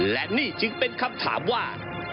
และนี่จึงเป็นคำถามว่า